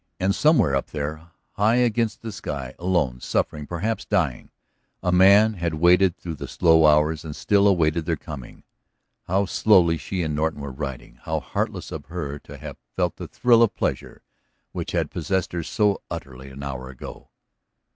And somewhere up there high against the sky, alone, suffering, perhaps dying, a man had waited through the slow hours, and still awaited their coming. How slowly she and Norton were riding, how heartless of her to have felt the thrill of pleasure which had possessed her so utterly an hour ago!